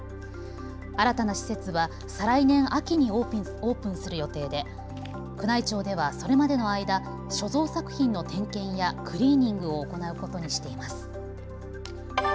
新たな施設は再来年秋にオープンする予定で宮内庁ではそれまでの間、所蔵作品の点検やクリーニングを行うことにしています。